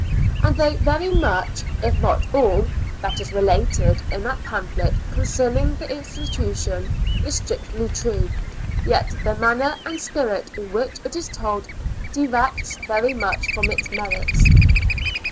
And though very much, if not all that is related in that pamphlet concerning the institution, is strictly true, yet the manner and spirit in which it is told, detracts very much from its merits.